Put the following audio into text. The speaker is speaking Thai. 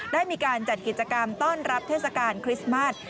ได้มีการจัดกิจกรรมต้อนรับเทศกาลคริสต์มาส